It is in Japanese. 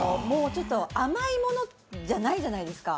ちょっと甘い物じゃないじゃないですか。